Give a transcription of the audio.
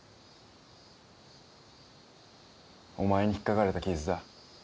お前に引っかかれた傷だ。